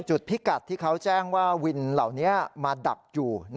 พิกัดที่เขาแจ้งว่าวินเหล่านี้มาดักอยู่